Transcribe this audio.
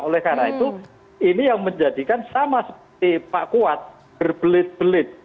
oleh karena itu ini yang menjadikan sama seperti pak kuat berbelit belit